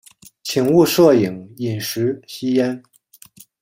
请勿摄影、饮食、吸烟